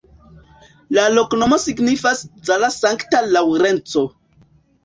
La loknomo signifas: Zala-Sankta Laŭrenco.